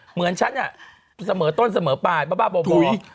เหมือนฉันอย่างนี้เสมอต้นเสมอปลาบับบ้าบ่อ